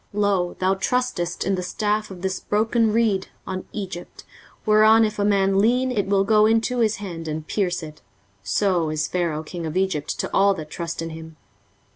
23:036:006 Lo, thou trustest in the staff of this broken reed, on Egypt; whereon if a man lean, it will go into his hand, and pierce it: so is Pharaoh king of Egypt to all that trust in him.